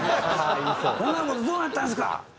「女の子とどうなったんですか？」